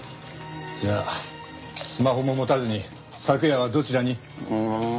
じゃあスマホも持たずに昨夜はどちらに？うーん。